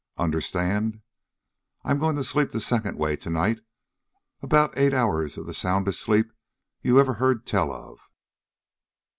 Understand? I'm going to sleep the second way tonight. About eight hours of the soundest sleep you ever heard tell of."